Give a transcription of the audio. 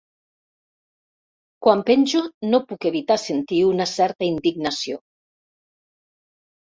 Quan penjo no puc evitar sentir una certa indignació.